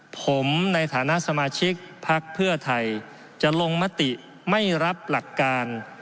ผมในฐานะสมาชิกพักเพื่อไทยจะลงมติไม่รับหลักการ